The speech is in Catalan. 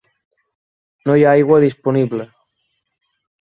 No hi ha aigua disponible.